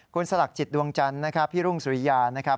คุณสลักจิตดวงจันทร์นะครับพี่รุ่งสุริยานะครับ